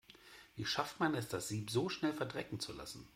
Wie schafft man es, das Sieb so schnell verdrecken zu lassen?